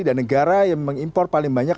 negara yang mengimpor paling banyak